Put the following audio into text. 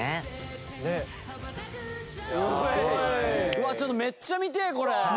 うわっちょっとめっちゃ見てえこれ！